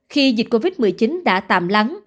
khi dịch covid một mươi chín đã tạm lắng